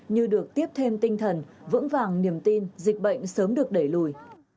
như được tiếp thêm tinh thần vững vàng niềm tin dịch bệnh sớm được đẩy lùi